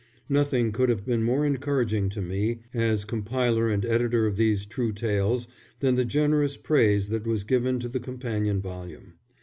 Nothing could have been more encouraging to me as compiler and editor of these true tales than the generous praise that was given to the companion volume.